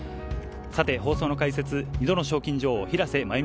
放送の解説、２度の賞金女王・平瀬真由美